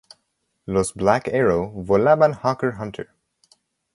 Los Black Arrow volaban Hawker Hunter.